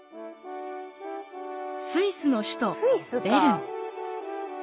スイスの首都ベルン。